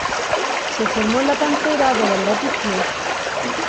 Se formó en la cantera del Athletic Club.